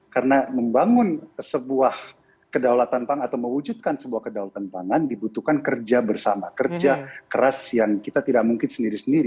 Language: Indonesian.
karena membangun sebuah kedaulatan pangan atau mewujudkan sebuah kedaulatan pangan dibutuhkan kerja bersama kerja keras yang kita tidak mungkin sendiri sendiri